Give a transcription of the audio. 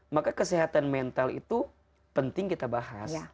maka kesehatan mental itu penting kita bahas